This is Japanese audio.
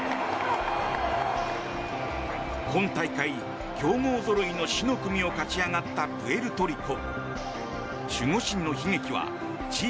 今大会、強豪ぞろいの死の組を勝ち上がったプエルトリコ。